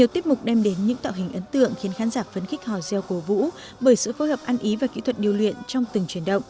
thêm đến những tạo hình ấn tượng khiến khán giả phấn khích họ gieo cổ vũ bởi sự phối hợp ăn ý và kỹ thuật điều luyện trong từng chuyển động